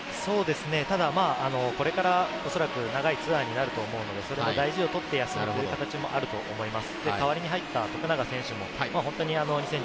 ただこれからおそらく長いツアーになると思うので、大事をとって休むという形もあると思います。